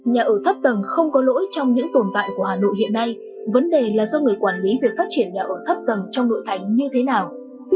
nhà ở thấp tầng không có lỗi trong những tồn tại của hà nội hiện nay vấn đề là do người quản lý việc phát triển nhà ở thấp tầng trong nội thành như thế nào